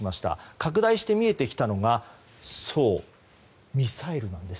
拡大して見えてきたのはミサイルなんです。